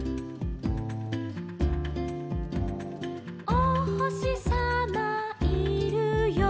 「おほしさまいるよ」